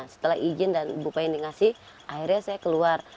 setelah izin dan bupain dikasih akhirnya saya keluar